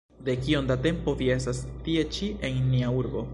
De kiom da tempo vi estas tie ĉi en nia urbo?